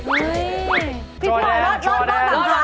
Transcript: พี่พลอยรอดตั้งหลังค้า